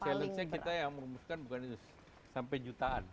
challenge nya kita yang merumuskan bukan itu sampai jutaan